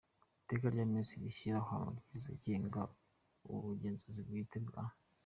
Iteka rya Minisitiri rishyiraho Amabwiriza agenga Ubugenzuzi bwite na